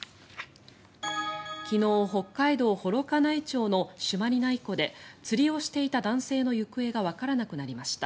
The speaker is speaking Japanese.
昨日北海道幌加内町の朱鞠内湖で釣りをしていた男性の行方がわからなくなりました。